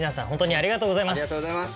ありがとうございます。